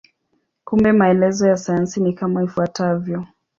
Kumbe maelezo ya sayansi ni kama ifuatavyo.